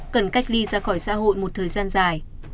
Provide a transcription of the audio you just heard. cần cách ly ra khỏi xã hội một thời gian dài